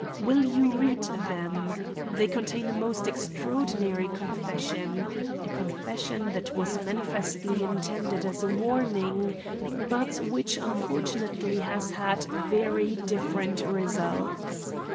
Will you read them? They contain a most extraordinary confession; a confession that was manifestly intended as a warning, but which unfortunately has had very different results.